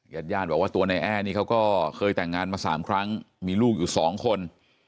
ญาติญาติบอกว่าตัวนายแอร์นี่เขาก็เคยแต่งงานมา๓ครั้งมีลูกอยู่สองคน